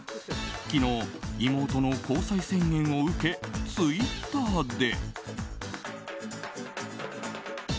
昨日、妹の交際宣言を受けツイッターで。